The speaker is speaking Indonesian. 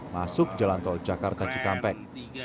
masuk jalan tol jakarta cikampek